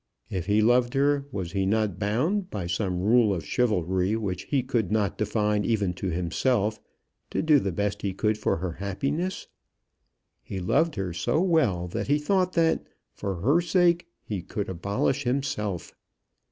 If he loved her, was he not bound, by some rule of chivalry which he could not define even to himself, to do the best he could for her happiness? He loved her so well that he thought that, for her sake, he could abolish himself.